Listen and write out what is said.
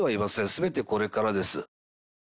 すべてこれからです。